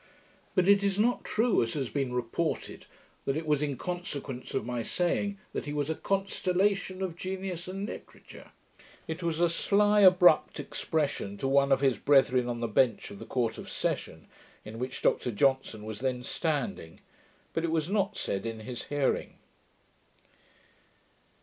But it is not true, as has been reported, that it was in consequence of my saying that he was a CONSTELLATION of genius and literature. It was a sly abrupt expression to one of his brethren on the bench of the Court of Session, in which Dr Johnson was then standing; but it was not said in his hearing.